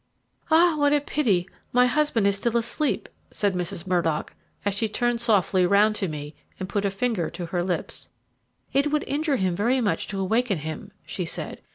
"Ah! what a pity, my husband is still asleep," said Mrs. Murdock, as she turned softly round to me and put her finger to her lips. "It would injure him very much to awaken him," she said.